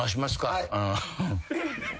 はい。